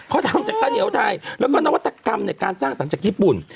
เขาทำจากข้าวเหนียวไทยแล้วก็นวัตกรรมในการสร้างสรรค์จากญี่ปุ่น